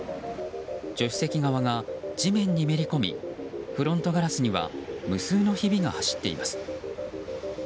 助手席側が地面にめり込みフロントガラスには無数のひびが走っています。